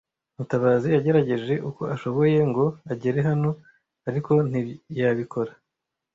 Mutabazi yagerageje uko ashoboye ngo agere hano, ariko ntiyabikora.